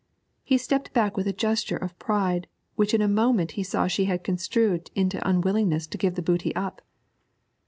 He stepped back with a gesture of pride, which in a moment he saw she had construed into unwillingness to give the booty up.